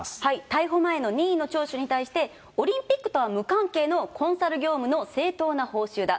逮捕前の任意の聴取に対して、オリンピックとは無関係のコンサル業務の正当な報酬だ。